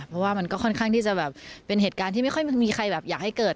เพราะว่ามันก็ค่อนข้างที่จะแบบเป็นเหตุการณ์ที่ไม่ค่อยมีใครแบบอยากให้เกิด